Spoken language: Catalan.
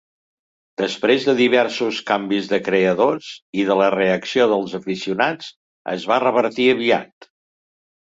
Després de diversos canvis de creadors i de la reacció dels aficionats, es va revertir aviat.